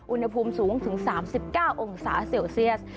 อุณหภูมิสูงถึง๓๙องศาเซลเซียส